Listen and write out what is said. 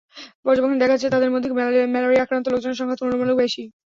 পর্যবেক্ষণে দেখা গেছে, তাদের মধ্যে ম্যালেরিয়ায় আক্রান্ত লোকজনের সংখ্যা তুলনামূলক বেশি।